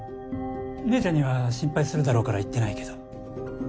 姉ちゃんには心配するだろうから言ってないけど。